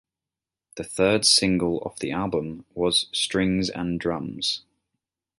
The third single off the album was "Strings and Drums".